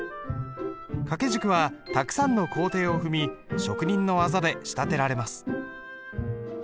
掛軸はたくさんの工程を踏み職人の技で仕立てられます。